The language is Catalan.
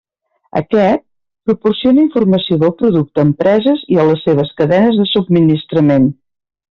Aquest, proporciona informació del producte a empreses i a les seves cadenes de subministrament.